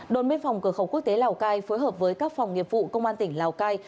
đồn biên phòng cửa khẩu quốc tế lào cai phối hợp với các phòng nghiệp vụ công an tỉnh lào cai